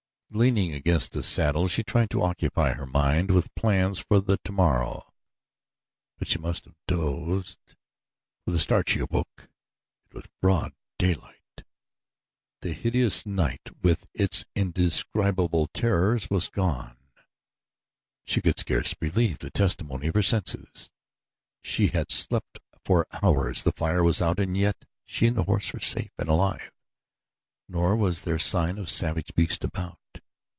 Leaning against the saddle she tried to occupy her mind with plans for the morrow; but she must have dozed. With a start she awoke. It was broad daylight. The hideous night with its indescribable terrors was gone. She could scarce believe the testimony of her senses. She had slept for hours, the fire was out and yet she and the horse were safe and alive, nor was there sign of savage beast about.